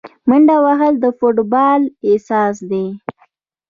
منډه وهل د فوټبال اساس دی.